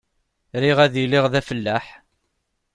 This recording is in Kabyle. Riɣ ad iliɣ d afellaḥ.